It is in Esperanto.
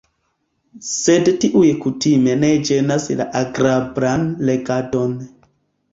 Sed tiuj kutime ne ĝenas la agrablan legadon.